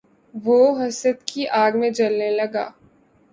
وہ حسد کی آگ میں جلنے لگا